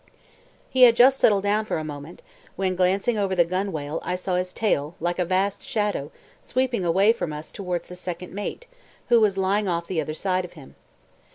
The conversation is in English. He had just settled down for a moment, when, glancing over the gunwale, I saw his tail, like a vast shadow, sweeping away from us towards the second mate, who was lying off the other side of him.